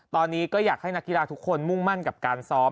ตอนนี้ก็อยากให้นักกีฬาทุกคนมุ่งมั่นกับการซ้อม